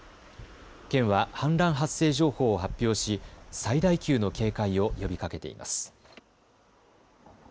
県は氾濫発生情報を発表し最大級の警戒を呼びかけています。